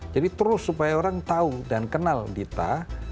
jadi terus supaya orang tahu dan kenal dita